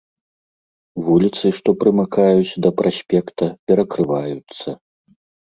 Вуліцы, што прымыкаюць да праспекта, перакрываюцца.